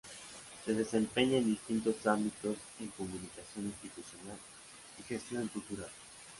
Se desempeña en distintos ámbitos en Comunicación Institucional y Gestión Cultural.